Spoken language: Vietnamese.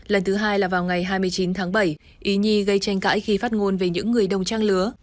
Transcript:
lần thứ hai là vào ngày hai mươi chín tháng bảy ý nhi gây tranh cãi khi phát ngôn về những người đồng trang lứa